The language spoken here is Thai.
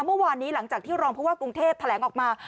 เมื่อวานนี้หลังจากที่รองผู้ว่ากรุงเทพแถลงออกมา